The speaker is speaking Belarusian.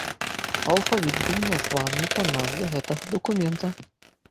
Алфавіт быў названы па назве гэтага дакумента.